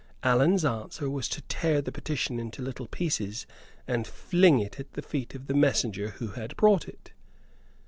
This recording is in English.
Allan's answer was to tear the petition into little pieces and fling it at the feet of the messenger who had brought it.